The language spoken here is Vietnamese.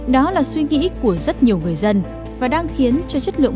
đó là suy nghĩ của rất nhiều người dân và đang khiến cho chất lượng bất ngờ